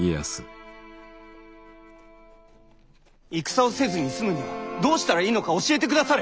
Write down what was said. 戦をせずに済むにはどうしたらいいのか教えてくだされ！